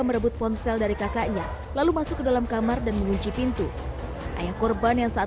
merebut ponsel dari kakaknya lalu masuk ke dalam kamar dan mengunci pintu ayah korban yang saat